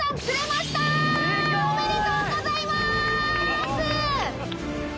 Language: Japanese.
おめでとうございます！